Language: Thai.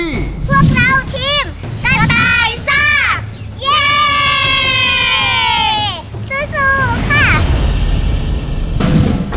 พวกเราทีมกระต่ายซ่าเย้